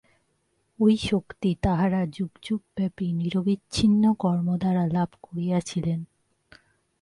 ঐ শক্তি তাঁহারা যুগযুগব্যাপী নিরবচ্ছিন্ন কর্মদ্বারা লাভ করিয়াছিলেন।